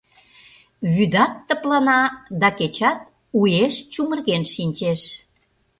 Вӱдат тыплана, да кечат уэш «чумырген» шинчеш.